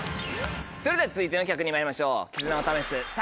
それでは続いての企画にまいりましょう。